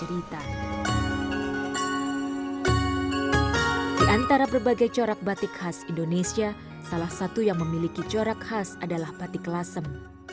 di antara berbagai corak batik khas indonesia salah satu yang memiliki corak khas adalah batik lasem